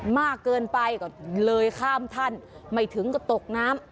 มากเกินไปก็เลยข้ามท่านไม่ถึงก็ตกน้ำ